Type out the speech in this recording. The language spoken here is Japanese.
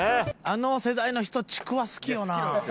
あの世代の人ちくわ好きよな。